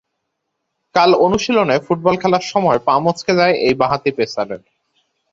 কাল অনুশীলনে ফুটবল খেলার সময় পা মচকে যায় এই বাঁহাতি পেসারের।